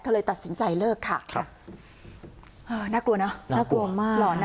เธอเลยตัดสินใจเลิกค่ะน่ากลัวนะน่ากลัวมาก